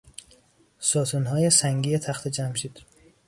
ستونهای سنگی تخت جمشید